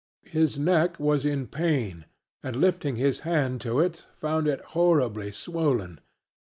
His neck was in pain and lifting his hand to it he found it horribly swollen.